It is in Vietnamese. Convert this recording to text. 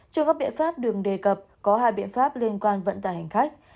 trước các biện pháp đường đề cập có hai biện pháp liên quan vận tải hành khách